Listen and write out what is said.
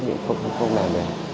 thì cũng không làm được